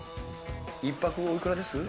１泊おいくらです？